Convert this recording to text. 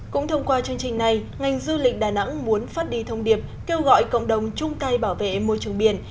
cũng thông qua chương trình này ngành du lịch đà nẵng muốn phát đi thông điệp kêu gọi cộng đồng chung tay bảo vệ môi trường biển